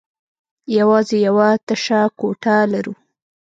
يواځې يوه تشه کوټه لرو.